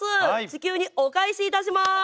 地球にお返しいたします。